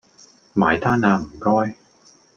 埋單呀唔該